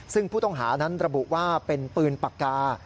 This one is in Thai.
ซึ่งผู้ต้องหานั้นระบุว่าเป็นปืนปากกา